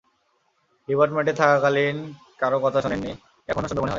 ডিপার্টমেন্টে থাকাকালীন কারও কথা শোনেনি, এখন শুনবে মনে হয়?